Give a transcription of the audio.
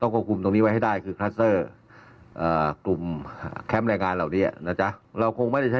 ก็ขอให้ทุกคนร่วมมือแล้วกันในเรื่องของการ